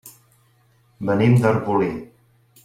Venim d'Arbolí.